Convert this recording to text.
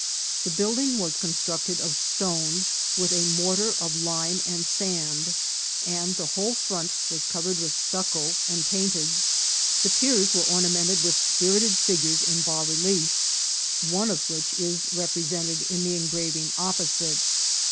The building was constructed of stone, with a mortar of lime and sand, and the whole front was covered with stucco and painted. The piers were ornamented with spirited figures in bas relief, one of which is represented s THE PALACE AT PALENQUE. 311 in the engraving opposite.